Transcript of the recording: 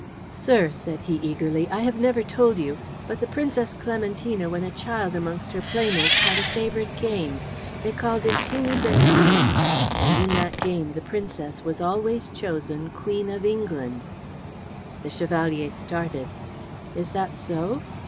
"Sir," said he, eagerly, "I have never told you, but the Princess Clementina when a child amongst her playmates had a favourite game. They called it kings and queens. And in that game the Princess was always chosen Queen of England." The Chevalier started. "Is that so?"